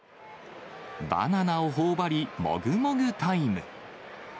バナナをほおばり、もぐもぐタイム。